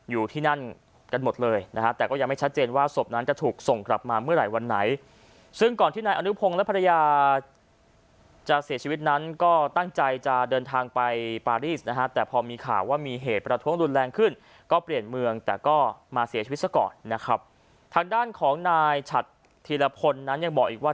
อยู่ที่นั่นกันหมดเลยนะฮะแต่ก็ยังไม่ชัดเจนว่าศพนั้นจะถูกส่งกลับมาเมื่อไหร่วันไหนซึ่งก่อนที่นายอนุพงศ์และภรรยาจะเสียชีวิตนั้นก็ตั้งใจจะเดินทางไปปารีสนะฮะแต่พอมีข่าวว่ามีเหตุประท้วงรุนแรงขึ้นก็เปลี่ยนเมืองแต่ก็มาเสียชีวิตซะก่อนนะครับทางด้านของนายฉัดธีรพลนั้นยังบอกอีกว่า